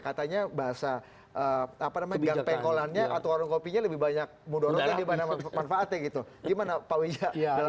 katanya bahasa apa namanya gang pengolannya atau warung kopinya lebih banyak mudonoknya dibanding manfaatnya gitu gimana pak widjo